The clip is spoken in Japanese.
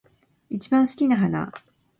一番好きな花